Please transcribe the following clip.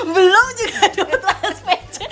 belum juga duit uang spc